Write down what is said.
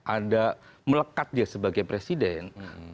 ada melekat dia sebagai presiden